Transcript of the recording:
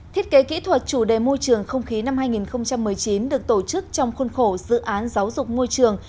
thiết kế kỹ thuật chủ đề môi trường không khí năm hai nghìn một mươi chín được tổ chức trong khuôn khổ dự án giáo dục môi trường